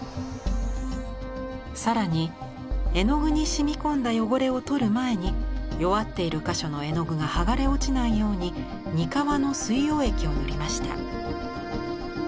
更に絵の具に染み込んだ汚れを取る前に弱っている箇所の絵の具が剥がれ落ちないように膠の水溶液を塗りました。